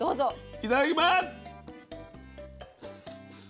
いただきます。